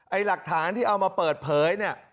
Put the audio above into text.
หลักฐานที่เอามาเปิดเผยเนี่ย